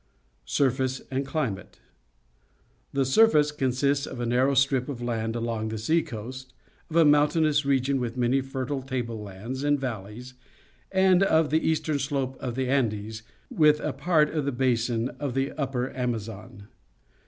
Surface and Climate. — The surface con sists of a narrow strip of land along the sea coast, of a mountainous region with manj^ fertile table lands and valleys, and of the eastern slope of the Andes, with a part of the basin of the upper .\mazon.